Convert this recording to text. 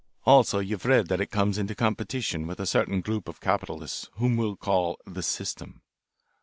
Also you've read that it comes into competition with a certain group of capitalists whom we will call 'the System.'